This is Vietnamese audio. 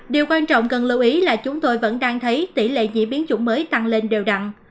điều quan trọng cần lưu ý là chúng tôi vẫn đang thấy tỷ lệ diễn biến chủng mới tăng lên đều đặn